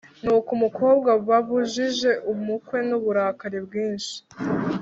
nuko umukobwa babujije ubukwe n’uburakari bwinshi